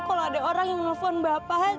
kalau ada orang yang nelfon bapak